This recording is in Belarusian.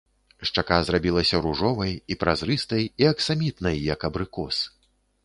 Шчака зрабілася ружовай, і празрыстай, і аксамітнай, як абрыкос.